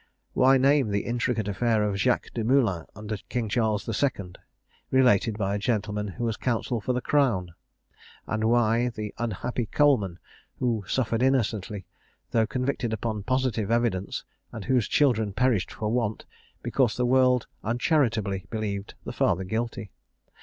Why name the intricate affair of Jacques de Moulin, under King Charles II. related by a gentleman who was counsel for the crown? And why the unhappy Coleman, who suffered innocently, though convicted upon positive evidence; and whose children perished for want, because the world uncharitably believed the father guilty?